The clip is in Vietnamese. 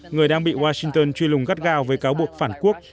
người đang bị washington truy lùng gắt gao với cáo buộc phản quốc